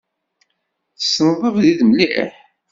Tesneḍ abrid mliḥ?